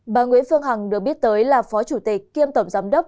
bà nguyễn phương hằng được biết tới là phó chủ tịch kiêm tổng giám đốc